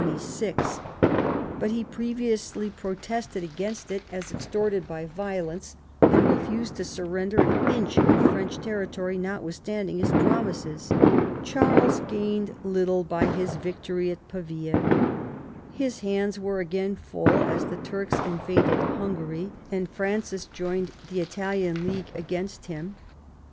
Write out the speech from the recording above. But he previously protested against it as extorted by violence, and refused to surrender an inch of French territory notwithstanding his promises. Charles gained little by his victory at Pavia His hands were again full, as the Turks invaded Hungary, and Francis joined the Italian League against him.